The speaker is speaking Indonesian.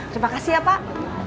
terima kasih ya pak